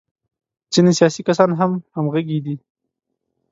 ځینې سیاسي کسان هم همغږي دي.